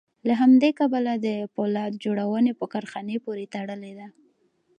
له همدې کبله د پولاد جوړونې په کارخانې پورې تړلې ده